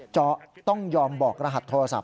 จะต้องยอมบอกรหัสโทรศัพ